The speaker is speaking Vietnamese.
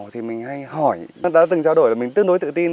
thì mình hay hỏi đã từng trao đổi là mình tương đối tự tin